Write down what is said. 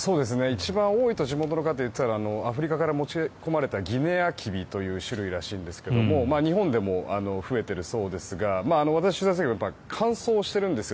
一番多いと地元の方が言っていたのはアフリカから持ち込まれたギネアキビという種類らしいんですが日本でも増えているそうですが私取材しましたけど乾燥しているんです。